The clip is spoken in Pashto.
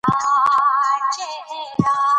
زه له حرامو شيانو او کارو څخه ځان ساتم.